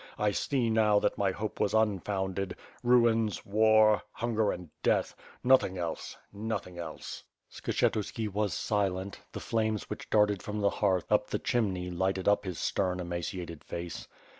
I see now that my hope was unfounded; ruins, war, hunger, and death — ^nothing else, nothing else." WITH FIRE AND SWORD. ^g^ Skshetuski was silent, the flames which darted from the hearth up the chimney lighted up his stem emaciated face.